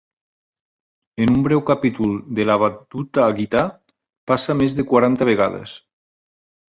En un breu capítol del Avadhuta Gita, passa més de quaranta vegades.